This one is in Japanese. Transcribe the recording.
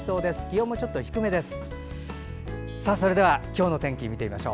気温もちょっと低めです。